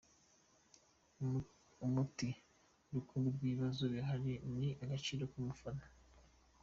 Umuti rukumbi w’ibibazo bihari ni agaciro k’umufana.